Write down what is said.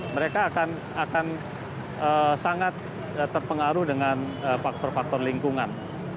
mereka akan sangat terpengaruh dengan faktor faktor lingkungan